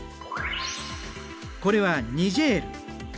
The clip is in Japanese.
これはニジェール。